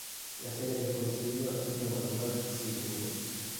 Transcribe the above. La sede del consiglio si trova a North Sydney.